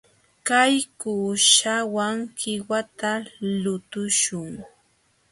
Kay kuuśhawan qiwata lutuśhun.